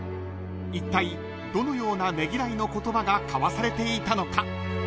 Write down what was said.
［いったいどのようなねぎらいの言葉が交わされていたのか］